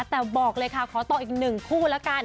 แต่บอกเลยค่ะขอต่ออีกหนึ่งคู่แล้วกัน